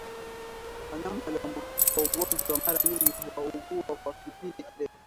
Wanyama walioambukizwa ugonjwa mara nyingi huugua kwa kipindi kirefu